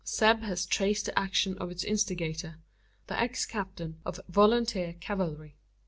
Zeb has traced the action to its instigator the ex captain of volunteer cavalry.